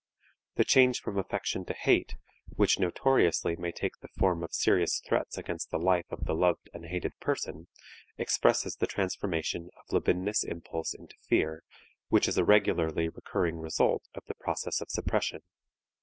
The change from affection to hate, which notoriously may take the form of serious threats against the life of the loved and hated person, expresses the transformation of libidinous impulse into fear, which is a regularly recurring result of the process of suppression.